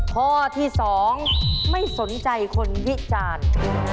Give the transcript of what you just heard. ข้อที่๒ไม่สนใจคนวิจารณ์